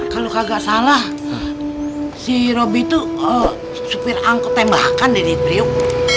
kalau kagak salah si robby tuh supir angkut tembakan di priok